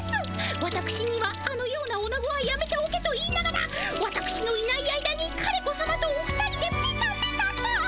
わたくしにはあのようなおなごはやめておけと言いながらわたくしのいない間に枯れ子さまとお二人でペタペタと。